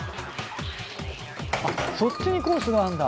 そっちにコースがあるんだ！